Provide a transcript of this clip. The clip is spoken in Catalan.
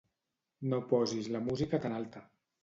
No posis la música tan alta.